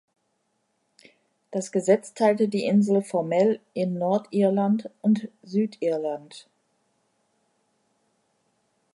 Das Gesetz teilte die Insel formell in Nordirland und "Südirland".